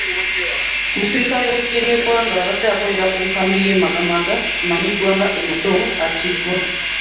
Omusirikale w'eggye ly'eggwanga abadde akolera ku nkambi y'e Magamaga amanyiddwa nga Emodong attiddwa.